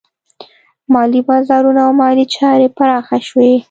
مالي بازارونه او مالي چارې پراخه شوې.